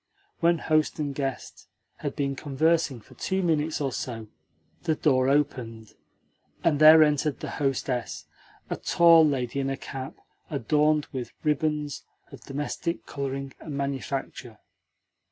When host and guest had been conversing for two minutes or so the door opened, and there entered the hostess a tall lady in a cap adorned with ribands of domestic colouring and manufacture.